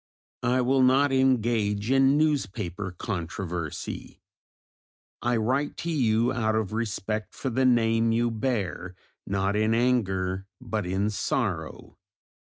I will not engage in newspaper controversy. I write to you, out of respect for the name you bear, not in anger but in sorrow.